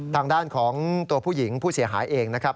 ทางด้านของตัวผู้หญิงผู้เสียหายเองนะครับ